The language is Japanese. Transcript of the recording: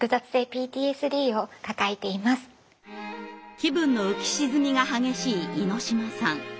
気分の浮き沈みが激しい猪島さん。